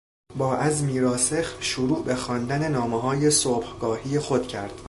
با عزمی راسخ شروع به خواندن نامههای صبحگاهی خود کرد.